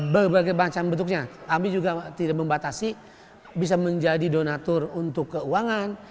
berbagai macam bentuknya kami juga tidak membatasi bisa menjadi donatur untuk keuangan